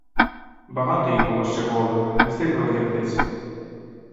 Багато їх було ще голих, не встигли одягтися.